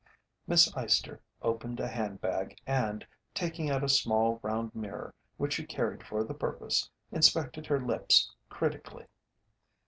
Miss Eyester opened a handbag and, taking out a small, round mirror which she carried for the purpose, inspected her lips critically.